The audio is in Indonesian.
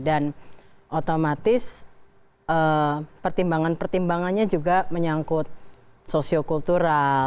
dan otomatis pertimbangan pertimbangannya juga menyangkut sosio kultural